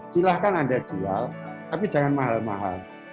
silahkan anda jual tapi jangan mahal mahal